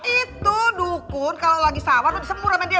itu dukun kalo lagi sawar lo disembur ame dia